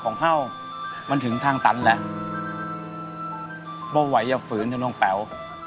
ของเขามันถึงทางตันแหละบ่ไหวจะฝืนให้น้องแป๋ว